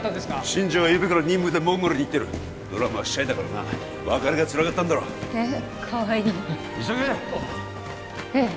新庄はゆうべから任務でモンゴルに行ってるドラムはシャイだからな別れがつらかったんだろうえかわいい急げええ